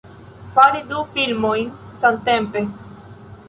Fari du filmojn samtempe!